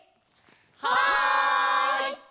はい！